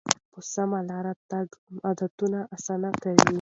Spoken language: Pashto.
په سمه لاره تګ عادتونه اسانه کوي.